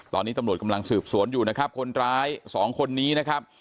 ตอนนี้ตำรวจกำลังสืบสวนอยู่นะครับคนร้ายสองคนนี้นะครับ